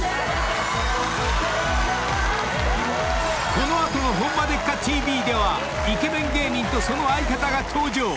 ［この後の『ホンマでっか⁉ＴＶ』ではイケメン芸人とその相方が登場！］